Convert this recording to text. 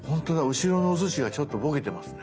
後ろ側のおすしがちょっとボケてますね。